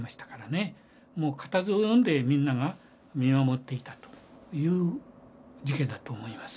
固唾をのんでみんなが見守っていたという事件だと思います。